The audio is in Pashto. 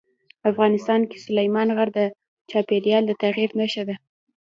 افغانستان کې سلیمان غر د چاپېریال د تغیر نښه ده.